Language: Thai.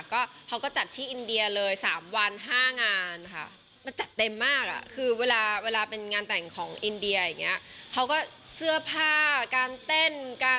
ก็เราก็จัดที่อินเดียเลย๓วัน๕งานค่ะ